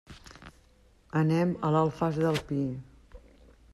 Anem a l'Alfàs del Pi.